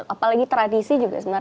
apalagi tradisi juga sebenarnya